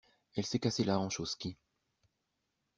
Elle s'est cassée la hanche au ski.